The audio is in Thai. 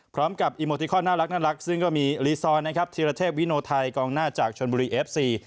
พร้อมกับอีโมทิคอลน่ารักน่ารักซึ่งก็มีลีซอร์นะครับธีระเทศวิโนไทยกองหน้าจากชนบุรีเอฟซี